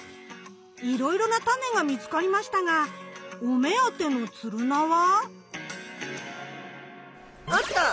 いろいろなタネが見つかりましたがお目当てのツルナは？あった！